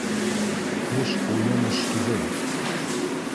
Теш — уйын эш түгел.